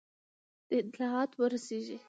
اطلاعات ورسیږي.